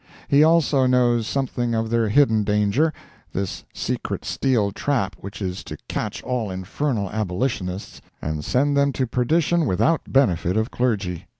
He also knows something of their hidden danger, this secret steel trap which is to catch all infernal Abolitionists and send them to perdition without benefit of clergy.